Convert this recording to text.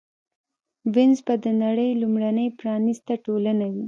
وینز به د نړۍ لومړۍ پرانېسته ټولنه وي